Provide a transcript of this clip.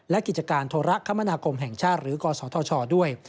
และกิจการโทรคมนาคมแห่งชาติหรือกศธชด้วย